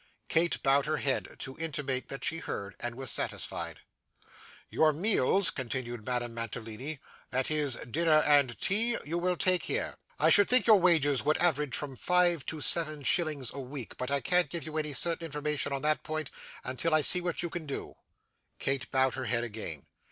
Kate bowed her head, to intimate that she heard, and was satisfied. 'Your meals,' continued Madame Mantalini, 'that is, dinner and tea, you will take here. I should think your wages would average from five to seven shillings a week; but I can't give you any certain information on that point, until I see what you can do.' Kate bowed her head again.